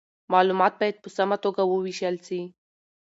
معلومات باید په سمه توګه وویشل سي.